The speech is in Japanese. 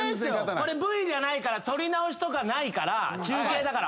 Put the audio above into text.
これＶじゃないから撮り直しとかないから中継だから。